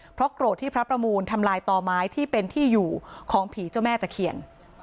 เพราะโกรธที่พระประมูลทำลายต่อไม้ที่เป็นที่อยู่ของผีเจ้าแม่ตะเคียน